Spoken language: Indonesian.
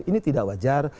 ini tidak wajar